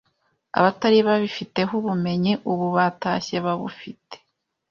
Abatari babifiteho ubumenyi ubu batashye babufite